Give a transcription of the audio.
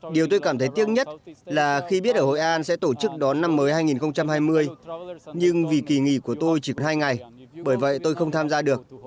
điều tôi cảm thấy tiếc nhất là khi biết ở hội an sẽ tổ chức đón năm mới hai nghìn hai mươi nhưng vì kỳ nghỉ của tôi chỉ có hai ngày bởi vậy tôi không tham gia được